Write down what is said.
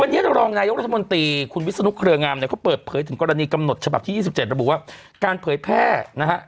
วันนี้รองนายกรัฐมนตรีคุณวิศนุเครืองามเนี่ยเขาเปิดเผยถึงกรณีกำหนดฉบับที่๒๗ระบุว่าการเผยแพร่นะฮะ